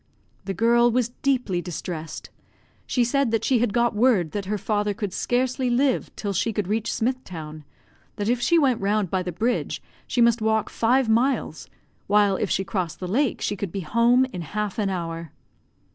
The girl was deeply distressed. She said that she had got word that her father could scarcely live till she could reach Smith town; that if she went round by the bridge, she must walk five miles, while if she crossed the lake she could be home in half an hour.